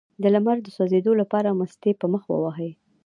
د لمر د سوځیدو لپاره مستې په مخ ووهئ